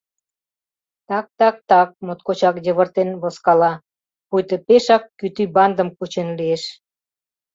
«Так-так-так...» — моткочак йывыртен возкала, пуйто пешак кӱтӱ бандым кучен лиеш.